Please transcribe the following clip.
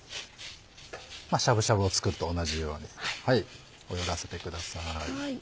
しゃぶしゃぶを作るのと同じように泳がせてください。